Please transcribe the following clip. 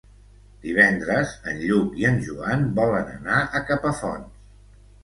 Divendres en Lluc i en Joan volen anar a Capafonts.